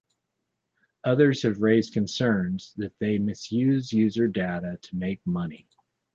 Others have raised concerns that they misuse users data to make money.